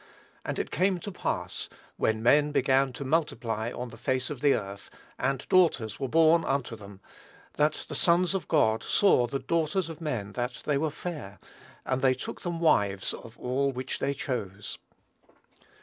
"And it came to pass, when men began to multiply on the face of the earth, and daughters were born unto them, that the sons of God saw the daughters of men that they were fair; and they took them wives of all which they chose."